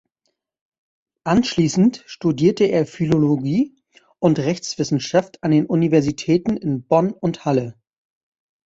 Anschließend studierte er Philologie und Rechtswissenschaft an den Universitäten in Bonn und Halle.